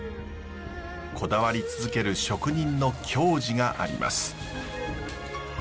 こだわり続ける職人の矜持があります。